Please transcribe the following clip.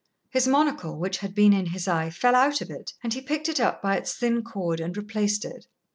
His monocle, which had been in his eye, fell out of it, and he picked it up by its thin cord and replaced it.